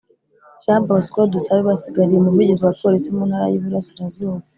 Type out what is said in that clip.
Jean Bosco Dusabe wasigariye umuvugizi wa Polisi mu Ntara y’Iburasirazuba